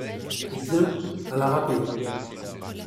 Eh bien! à la Rapée.